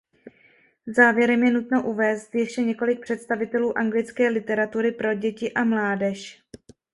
Závěrem je nutno uvést ještě několik představitelů anglické literatury pro děti a mládež.